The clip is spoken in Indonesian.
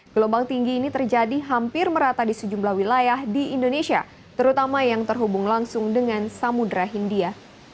gelombang tinggi ini terjadi hampir merata di sejumlah wilayah di indonesia terutama yang terhubung langsung dengan samudera hindia